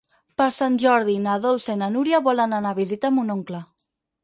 Per Sant Jordi na Dolça i na Núria volen anar a visitar mon oncle.